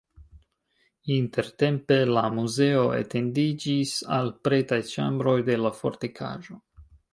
Intertempe la muzeo etendiĝis al pretaj ĉambroj de la fortikaĵo.